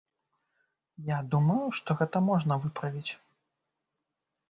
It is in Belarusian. Я думаю, што гэта можна выправіць.